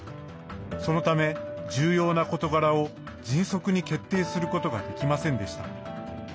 そのため、重要な事柄を迅速に決定することができませんでした。